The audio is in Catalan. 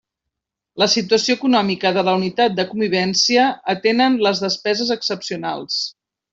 La situació econòmica de la unitat de convivència, atenen les despeses excepcionals.